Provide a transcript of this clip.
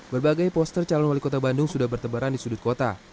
berbagai poster calon wali kota bandung sudah bertebaran di sudut kota